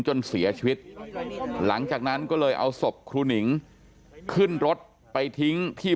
จนเสียชีวิตหลังจากนั้นก็เลยเอาศพครูหนิงขึ้นรถไปทิ้งที่